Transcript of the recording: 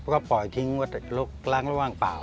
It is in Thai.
ก็ปล่อยทิ้งว่าลกล้างระหว่างเปล่า